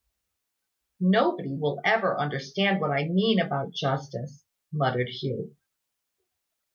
"Nobody will ever understand what I mean about justice," muttered Hugh.